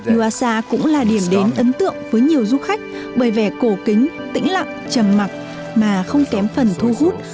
luasa cũng là điểm đến ấn tượng với nhiều du khách bởi vẻ cổ kính tĩnh lặng trầm mặc mà không kém phần thu hút